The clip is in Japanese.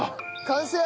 完成！